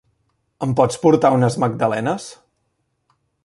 Em pots portar unes magdalenes?